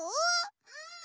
うん。